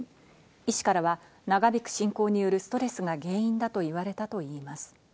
医師からは長引く侵攻によるストレスが原因だと言われたといいます。